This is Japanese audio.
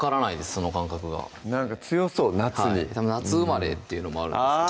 その感覚がなんか強そう夏に夏生まれっていうのもあるんですけど